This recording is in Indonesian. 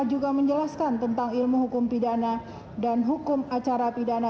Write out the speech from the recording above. juga menjelaskan tentang ilmu hukum pidana dan hukum acara pidana